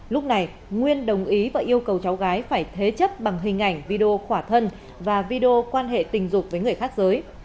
lúc này nguyên đồng ý và yêu cầu cháu gái phải thế chấp bằng hình ảnh video khỏa thân và video quan hệ tình dục với người khác giới